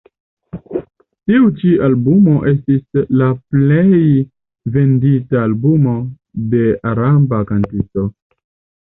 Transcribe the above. Tiu ĉi albumo estis la plej vendita albumo de araba kantisto.